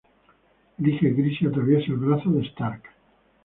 Elige gris y atraviesa el brazo de Stark.